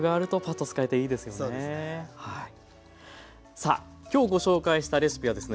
さあ今日ご紹介したレシピはですね